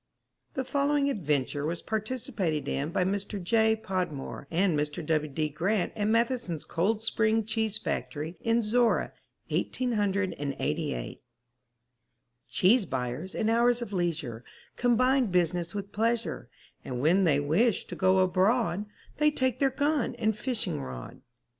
The following adventure was participated in by Mr. J. Podmore and Mr. W. D. Grant at Matheson's Cold Spring Cheese Factory in Zorra, 1888. Cheese buyers in hours of leisure Combine business with pleasure, And when they wish to go abroad They take their gun and fishing rod.